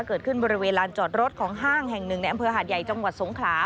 เกิดขึ้นบริเวณลานจอดรถของห้างแห่งหนึ่งในอำเภอหาดใหญ่จังหวัดสงขลา